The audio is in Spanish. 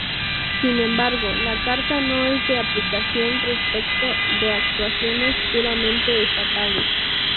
Sin embargo, la Carta no es de aplicación respecto de actuaciones puramente estatales.